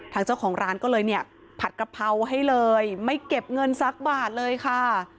ทางเจ้าของร้านก็เลยเนี่ยผัดกะเพราให้เลยไม่เก็บเงินสักบาทเลยค่ะ